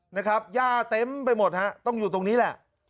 นะครับย่าเต็มไปหมดฮะต้องอยู่ตรงนี้แหละ